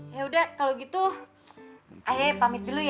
ya udah kalau gitu ayah pamit dulu ya